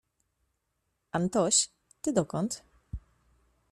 Antoś, ty dokąd?